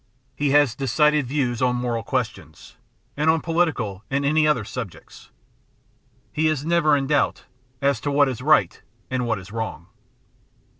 He has decided views on moral questions, and on political and any other subjects. He is never in doubt as to what is right and what is wrong.